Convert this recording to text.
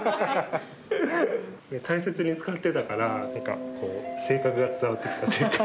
大切に使ってたからなんかこう性格が伝わってきたというか。